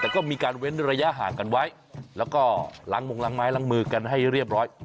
แต่ก็มีการเว้นระยะห่างกันไว้แล้วก็ล้างมงล้างไม้ล้างมือกันให้เรียบร้อย